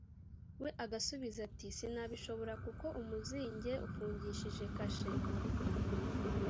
we agasubiza ati «Sinabishobora, kuko umuzinge ufungishije kashe.»